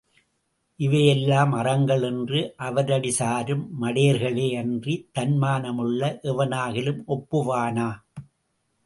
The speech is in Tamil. இவையெல்லாம் அறங்கள் என்று அவரடி சாரும் மடயர்களே யன்றி, தன்மானம் உள்ள எவனாகிலும் ஒப்புவானா?